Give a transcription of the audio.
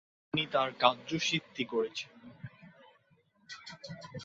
তিনি তাঁর কার্য সিদ্ধি করেছেন।